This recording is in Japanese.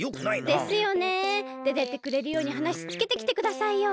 でてってくれるようにはなしつけてきてくださいよ。